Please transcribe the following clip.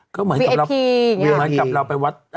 ก็เหมือนกับเราไปวัด